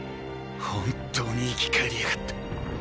本当に生き返りやがった。